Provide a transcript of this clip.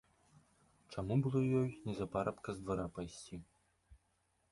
Чаму было ёй не за парабка з двара пайсці.